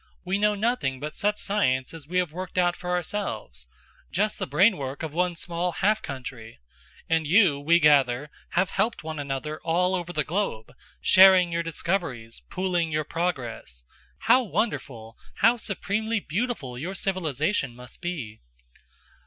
"We know nothing but such science as we have worked out for ourselves, just the brain work of one small half country; and you, we gather, have helped one another all over the globe, sharing your discoveries, pooling your progress. How wonderful, how supremely beautiful your civilization must be!"